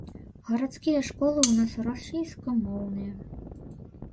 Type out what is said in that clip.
Гарадскія школы ў нас расійскамоўныя.